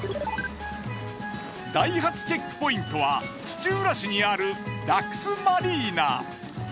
第８チェックポイントは土浦市にあるラクスマリーナ。